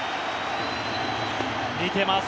見てます。